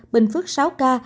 bình phước sáu ca